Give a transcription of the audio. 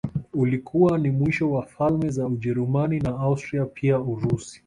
Ulikuwa ni mwisho wa falme za Ujerumani na Austria pia Urusi